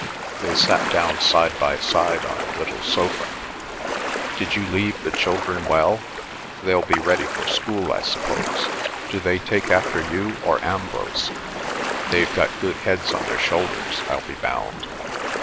They sat down side by side on the little sofa. "Did you leave the children well? They'll be ready for school, I suppose. Do they take after you or Ambrose? They've got good heads on their shoulders, I'll be bound?"